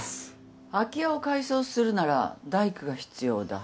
空き家を改装するなら大工が必要だ